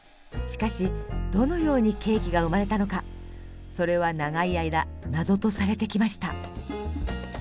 しかしどのようにケーキが生まれたのかそれは長い間謎とされてきました。